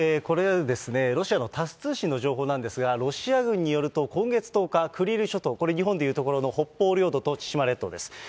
これですね、ロシアのタス通信の情報なんですが、ロシア軍によると、今月１０日、クリール諸島、これ、日本でいうところの北方領土と千島列島です。